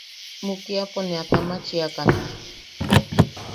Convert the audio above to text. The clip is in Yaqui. Mukiapo ne a tamachiakan.